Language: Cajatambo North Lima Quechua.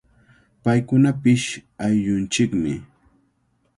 Paykunapish ayllunchikmi.